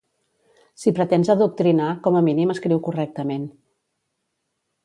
Si pretens adoctrinar com a mínim escriu correctament